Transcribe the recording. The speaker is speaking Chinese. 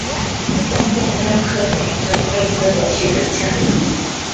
东面雕刻有一尊跪姿裸体人像。